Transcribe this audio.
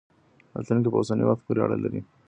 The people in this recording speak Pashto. راتلونکی په اوسني وخت پورې اړه لري.